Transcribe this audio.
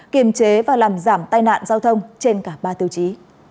kiềm chế và làm giảm tai nạn giao thông trên cả ba tiêu chí